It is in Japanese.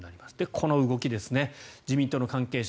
この動きですね自民党の関係者